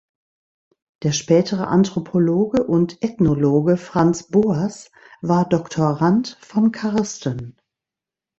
Der spätere Anthropologe und Ethnologe Franz Boas war Doktorand von Karsten.